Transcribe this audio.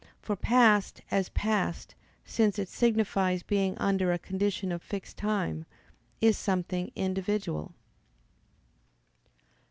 For past, as past, since it signifies being under a condition of fixed time, is something individual.